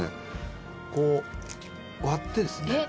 こう割ってですねえっ？